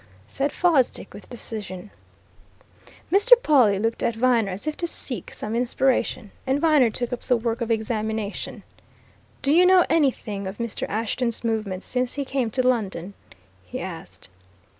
said Fosdick with decision. Mr. Pawle looked at Viner as if to seek some inspiration. And Viner took up the work of examination. "Do you know anything of Mr. Ashton's movements since he came to London?" he asked.